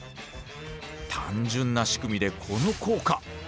単純な仕組みでこの効果。